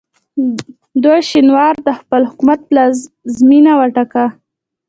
دوی شینوار د خپل حکومت پلازمینه وټاکه.